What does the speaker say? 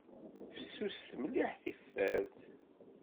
Fessuset mliḥ tifart.